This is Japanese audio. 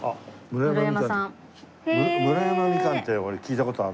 村山みかんって俺聞いた事ある。